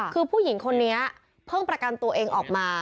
คือผู้หญิงคนนี้เพิ่งประกันตัวเองออกมา